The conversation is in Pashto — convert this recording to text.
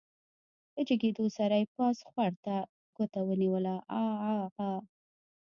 له جګېدو سره يې پاس خوړ ته ګوته ونيوله عاعاعا.